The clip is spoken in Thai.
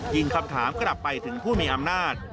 ยิงคำถามกลับไปถึงผู้มีอำนาจ